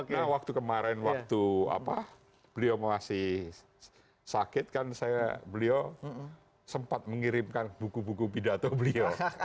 nah waktu kemarin waktu beliau masih sakit beliau sempat mengirimkan buku buku bidato beliau